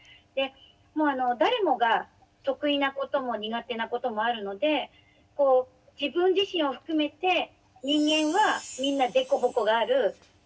でもう誰もが得意なことも苦手なこともあるのでこう自分自身を含めて人間はみんな凸凹がある。